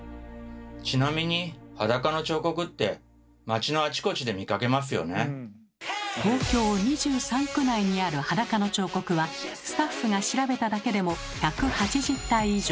ちなみに東京２３区内にある裸の彫刻はスタッフが調べただけでも１８０体以上。